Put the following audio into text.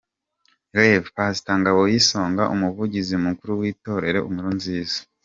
Rev Pastor Ngaboyisonga umuvugizi mukuru w'itorero Inkuru-Nziza.